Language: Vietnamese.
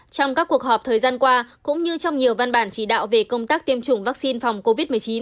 trong các cuộc họp thời gian qua cũng như trong nhiều văn bản chỉ đạo về công tác tiêm chủng vaccine phòng covid một mươi chín